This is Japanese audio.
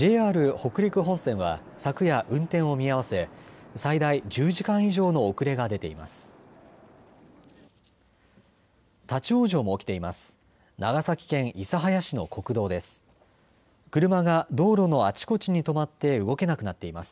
北陸本線は昨夜運転を見合わせ最大１０時間以上の遅れが出ています。